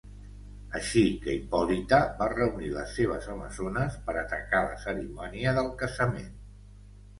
Així que Hipòlita va reunir les seves amazones per atacar la cerimònia del casament.